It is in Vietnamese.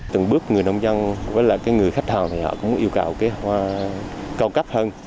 từng bước người nông dân với lại người khách hàng thì họ cũng yêu cầu hoa cao cấp hơn